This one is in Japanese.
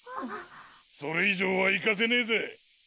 それ以上は行かせねぇぜ！